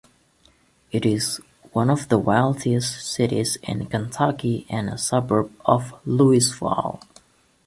It is one of the wealthiest cities in Kentucky and a suburb of Louisville.